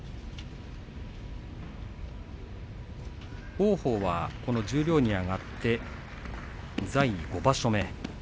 王鵬は十両に上がって在位５場所目です。